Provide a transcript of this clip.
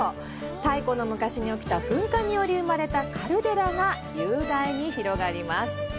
太古の昔に起きた噴火により生まれたカルデラが雄大に広がります。